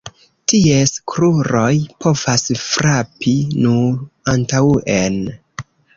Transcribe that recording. Ties kruroj povas frapi nur antaŭen.